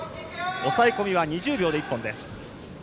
抑え込みは２０秒で一本です。